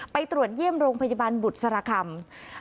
ไปตรวจเยี่ยมโรงพยาบาลบุษรคำ